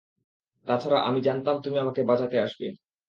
তাছাড়া, আমি জানতাম তুমি আমাকে বাঁচাতে আসবে।